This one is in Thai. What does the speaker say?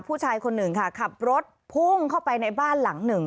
ผู้ชายคนหนึ่งค่ะขับรถพุ่งเข้าไปในบ้านหลังหนึ่ง